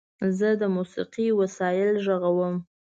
زه د موسیقۍ وسایل غږوم.